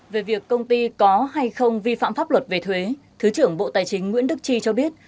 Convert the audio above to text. về việc công ty có hay không vi phạm pháp luật về thuế thứ trưởng bộ tài chính nguyễn đức chi cho biết